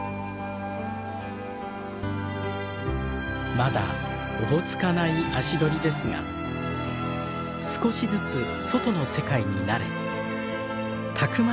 まだおぼつかない足取りですが少しずつ外の世界に慣れたくましく育ってゆくでしょう。